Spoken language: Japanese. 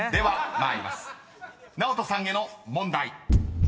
［ＮＡＯＴＯさんへの問題］